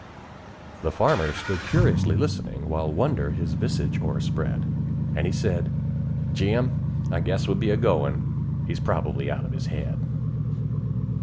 '" The farmer stood curiously listening, while wonder his visage o'erspread; And he said, "Jim, I guess we'll be goin'; he's probably out of his head."